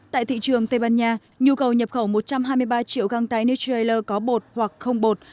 tại thị trường tây ban nha nhu cầu nhập khẩu một trăm hai mươi ba triệu găng tay nicheerler có bột hoặc không bột